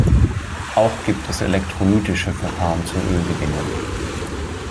Auch gibt es elektrolytische Verfahren zur Ölgewinnung.